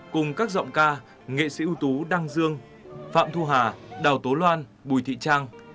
cùng các giọng ca nghệ sĩ ưu tú đăng dương phạm thu hà đào tố loan bùi thị trang